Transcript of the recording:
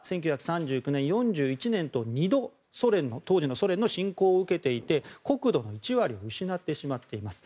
ただ、１９３９年、４１年と２度、当時のソ連の侵攻を受けていて国土の１割を失ってしまっています。